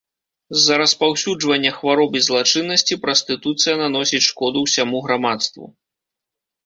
З-за распаўсюджвання хвароб і злачыннасці прастытуцыя наносіць шкоду ўсяму грамадству.